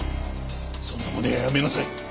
そんなまねはやめなさい。